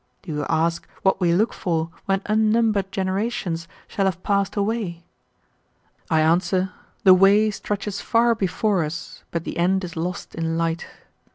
"Do you ask what we look for when unnumbered generations shall have passed away? I answer, the way stretches far before us, but the end is lost in light.